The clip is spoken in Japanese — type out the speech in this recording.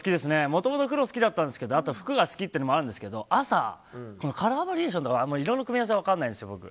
もともと黒が好きだったんですけどあと服が好きというのもあるんですけど朝、カラーバリエーションというかいろいろ組み合わせが分からないんですよ、僕。